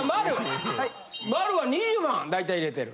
丸は２０万大体入れてる。